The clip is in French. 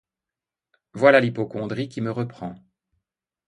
Voilà l'hypocondrie qui me reprend.